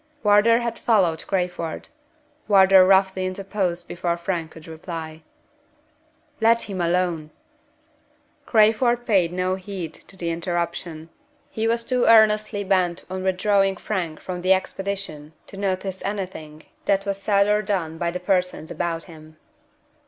Wardour had followed Crayford. Wardour roughly interposed before Frank could reply. "Let him alone!" Crayford paid no heed to the interruption. He was too earnestly bent on withdrawing Frank from the expedition to notice anything that was said or done by the persons about him.